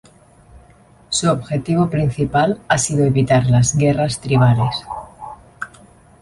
Su objetivo principal ha sido evitar las guerras tribales.